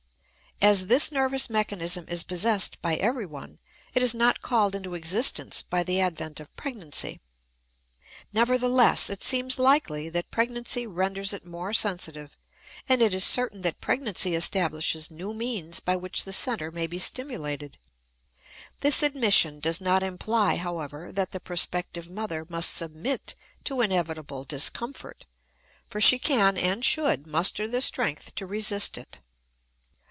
As this nervous mechanism is possessed by everyone, it is not called into existence by the advent of pregnancy. Nevertheless, it seems likely that pregnancy renders it more sensitive, and it is certain that pregnancy establishes new means by which the center may be stimulated. This admission does not imply, however, that the prospective mother must submit to inevitable discomfort, for she can and should muster the strength to resist it.